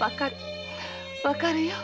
わかるよ。